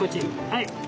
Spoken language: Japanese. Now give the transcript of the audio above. はい。